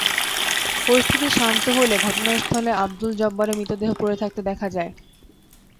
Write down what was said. পরিস্থিতি শান্ত হলে ঘটনাস্থলে আবদুল জব্বারের মৃতদেহ পড়ে থাকতে দেখা যায়।